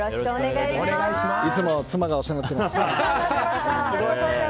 いつも妻がお世話になってます。